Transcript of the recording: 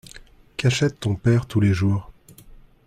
Qu’achète ton père tous les jours ?